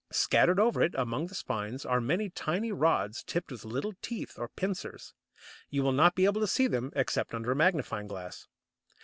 Scattered over it, among the spines, are many tiny rods tipped with little teeth or pincers. You will not be able to see them, except under a magnifying glass.